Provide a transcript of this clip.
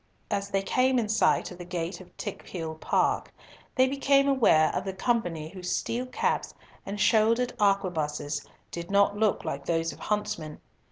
As they came in sight of the gate of Tickhill Park, they became aware of a company whose steel caps and shouldered arquebuses did not look like those of huntsmen.